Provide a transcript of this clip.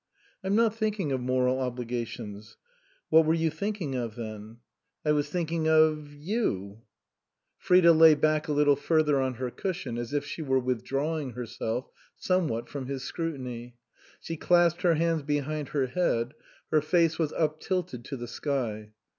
" I'm not thinking of moral obligations." " What were you thinking of, then ?"" I was thinking of you." 154 OUTWARD BOUND Frida lay back a little further on her cushion as if she were withdrawing herself somewhat from his scrutiny. She clasped her hands be hind her head ; her face was uptilted to the sky.